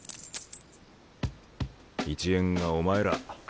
一円がお前ら。